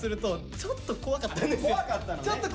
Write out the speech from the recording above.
ちょっと怖かったんですよ。